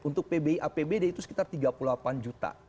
untuk pbi apbd itu sekitar tiga puluh delapan juta